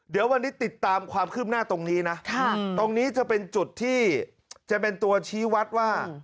เดี๋ยววันนี้ติดตามความคืบหน้าตรงนี้นะตรงนี้จะเป็นจุดที่จะเป็นตัวชี้วัดว่า